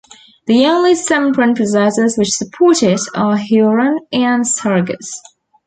The only Sempron processors which support it are Huron and Sargas.